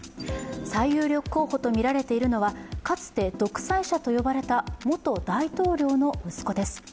最有力候補とみられているのは、かつて独裁者と呼ばれた元大統領の息子です。